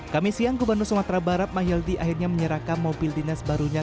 kami siang gubernur sumatera barat mahildi akhirnya menyerahkan mobil dinas barunya